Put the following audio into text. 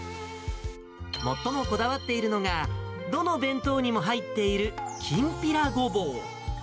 最もこだわっているのが、どの弁当にも入っているきんぴらごぼう。